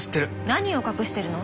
何を隠してるの？